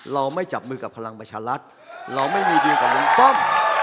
เราไม่จับมือกับพลังประชารัฐเราไม่มีดิวกับลุงป้อม